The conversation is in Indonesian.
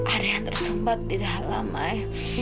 ada yang tersempat di dalam mai